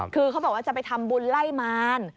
คือเขาบอกว่าจะไปทำบุญไล่มาร